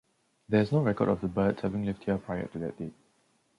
There is no record of the birds having lived here prior to that date.